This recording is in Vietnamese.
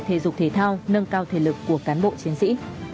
thể dục thể thao nâng cao thể lực của cán bộ chiến sĩ